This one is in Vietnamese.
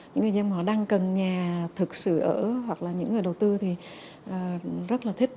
những người dân họ đang cần nhà thực sự ở hoặc là những người đầu tư thì rất là thích